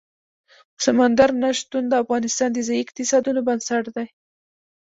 سمندر نه شتون د افغانستان د ځایي اقتصادونو بنسټ دی.